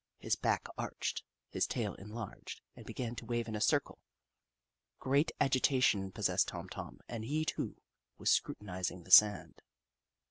His back arched, his tail enlarged, and began to wave in a circle. Great agita tion possessed Tom Tom, and he, too, was scrutinising the sand.